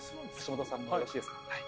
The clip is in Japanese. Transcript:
橋本さんもよろしいですか？